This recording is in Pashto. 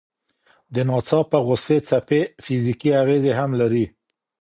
د ناڅاپه غوسې څپې فزیکي اغېزې هم لري.